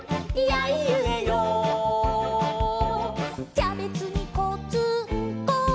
「キャベツにこつんこ」